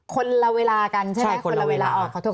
คนละเวลากันใช่ไหมคนละเวลาใช่คนละเวลา